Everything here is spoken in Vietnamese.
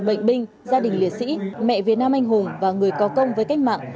bệnh binh gia đình liệt sĩ mẹ việt nam anh hùng và người có công với cách mạng